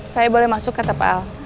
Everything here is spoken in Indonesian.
saya boleh masuk kata pak al